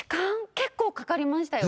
結構かかりましたよ。